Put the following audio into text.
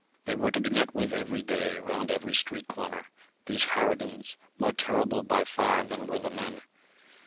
They were to be met with every day, round every street corner, these harridans, more terrible far than were the men.